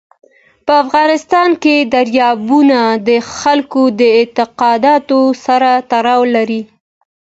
په افغانستان کې دریابونه د خلکو د اعتقاداتو سره تړاو لري.